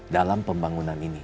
dalam pembangunan ini